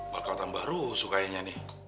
bakal tambah rusuk kayaknya nih